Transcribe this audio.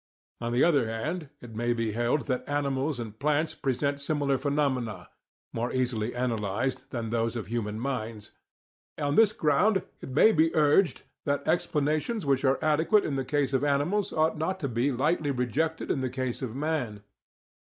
On the other hand, it may be held that animals and plants present simpler phenomena, more easily analysed than those of human minds; on this ground it may be urged that explanations which are adequate in the case of animals ought not to be lightly rejected in the case of man.